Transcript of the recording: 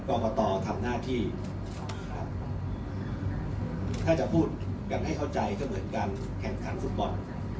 กรกตทำหน้าที่ถ้าจะพูดกันให้เข้าใจก็เหมือนการแข่งขันฟุตบอล